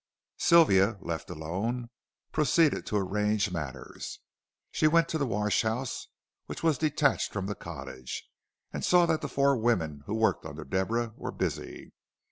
Sylvia, left alone, proceeded to arrange matters. She went to the wash house, which was detached from the cottage, and saw that the four women, who worked under Deborah, were busy.